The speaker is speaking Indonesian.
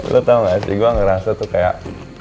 gue tau gak sih gue ngerasa tuh kayak